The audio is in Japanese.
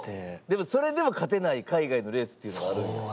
でもそれでも勝てない海外のレースっていうのがあるんや。